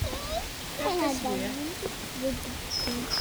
Ar taswiɛt!